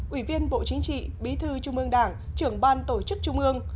ủy viên bộ chính trị bí thư trung ương đảng trưởng ban tổ chức trung ương